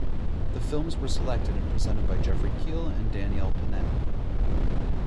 The films were selected and presented by Jeffrey Keil and Danielle Pinet.